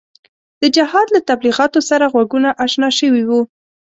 د جهاد له تبلیغاتو سره غوږونه اشنا شوي وو.